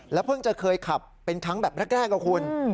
แล้วเพิ่งจะเคยขับเป็นทั้งแบบแรกกับคุณ